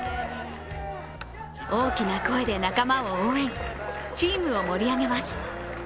大きな声で仲間を応援、チームを盛り上げます。